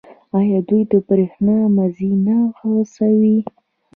آیا دوی د بریښنا مزي نه غځوي؟